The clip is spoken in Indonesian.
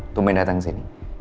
tumain datang kesini